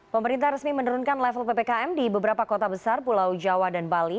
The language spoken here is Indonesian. pemerintah resmi menurunkan level ppkm di beberapa kota besar pulau jawa dan bali